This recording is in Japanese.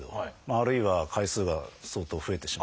あるいは回数が相当増えてしまう。